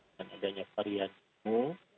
dan adanya perianmu